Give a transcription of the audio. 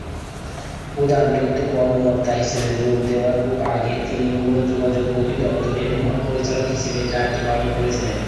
প্রধান তথ্য কর্মকর্তা হিসেবে যোগ দেওয়ার আগে তিনি গণযোগাযোগ অধিদপ্তরের মহাপরিচালক হিসেবে দায়িত্ব পালন করেছিলেন।